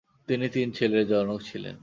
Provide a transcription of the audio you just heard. তিনি তিন ছেলের জনক ছিলেন।